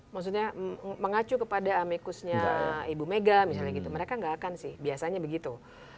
maksudnya mengacu kepada amekusnya ibu mega misalnya gitu mereka nggak akan sih biasanya begitu